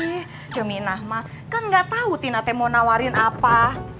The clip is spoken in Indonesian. ih cuminah mah kan gak tau tina t mau nawarin apa